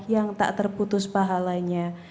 yang tak terputus pahalanya